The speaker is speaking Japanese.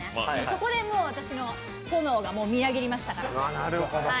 そこで私の炎がみなぎりましたから。